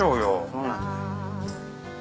そうなんだよ。